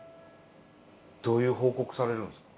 どういう報告されるんですか？